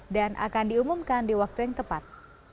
dan akan diumumkan di waktu yang tepat